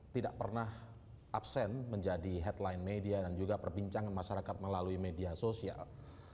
tidak pernah absen menjadi headline media dan juga perbincangan masyarakat melalui media sosial